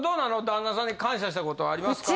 旦那さんに感謝したことありますか？